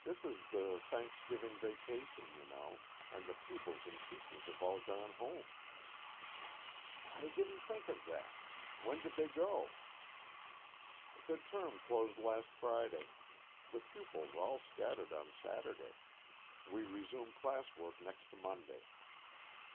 "This is the Thanksgiving vacation, you know, and the pupils and teachers have all gone home." "I didn't think of that. When did they go?" "The term closed last Friday. The pupils all scattered on Saturday. We resume class work next Monday."